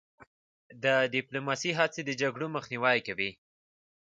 د ډیپلوماسی هڅې د جګړو مخنیوی کوي.